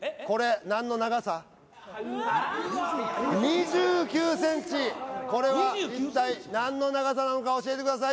２９ｃｍこれは一体何の長さなのか教えてください